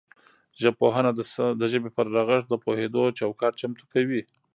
ژبپوهنه د ژبې پر رغښت د پوهیدو چوکاټ چمتو کوي